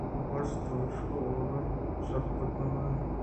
بس تو ایشی ءَ آرڈر ے سرپد مہ بئے